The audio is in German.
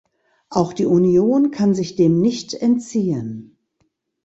Auch die Union kann sich dem nicht entziehen.